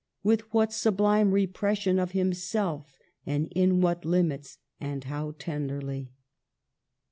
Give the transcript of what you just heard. With what sublime repression of himself, And in what limits and how tenderly.